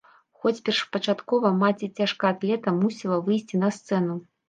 Хоць першапачаткова маці цяжкаатлета мусіла выйсці на сцэну.